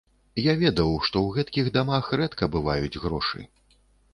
Я ведаў, што ў гэткіх дамах рэдка бываюць грошы.